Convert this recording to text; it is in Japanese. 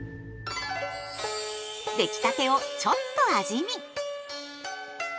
出来たてをちょっと味見。